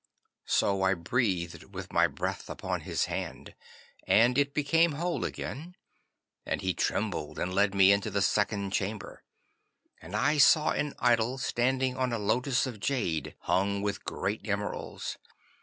'So I breathed with my breath upon his hand, and it became whole again, and he trembled and led me into the second chamber, and I saw an idol standing on a lotus of jade hung with great emeralds.